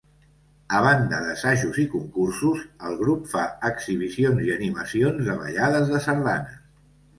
A banda d'assajos i concursos, el grup fa exhibicions i animacions de ballades de sardanes.